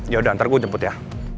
yaudah ntar gue jemput ya